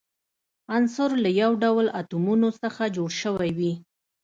عنصر له یو ډول اتومونو څخه جوړ شوی وي.